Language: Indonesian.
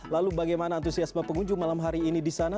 lalu bagaimana antusiasme pengunjung malam hari ini di sana